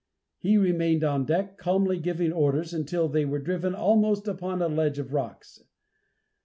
He remained on deck, calmly giving orders, until they were driven almost upon a ledge of rocks.